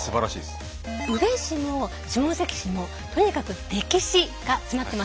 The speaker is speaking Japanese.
宇部市も下関市もとにかく歴史が詰まってます。